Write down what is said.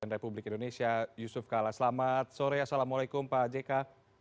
republik indonesia yusuf kala selamat sore assalamualaikum pak jk